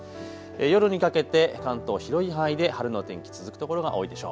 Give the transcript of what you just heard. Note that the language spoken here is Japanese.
夜にかけて関東広い範囲で晴れの天気続く所が多いでしょう。